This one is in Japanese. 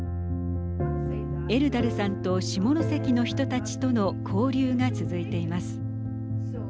エルダルさんと下関の人たちとの交流が続いています。